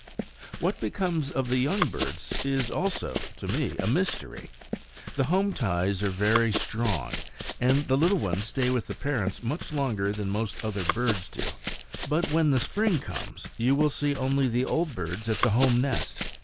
What becomes of the young birds is also, to me, a mystery. The home ties are very strong, and the little ones stay with the parents much longer than most other birds do; but when the spring comes you will see only the old birds at the home nest.